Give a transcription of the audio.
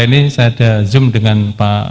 ini saya ada zoom dengan pak